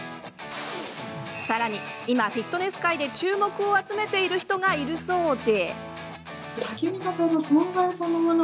今、フィットネス界で注目を集めている人がいるそうで。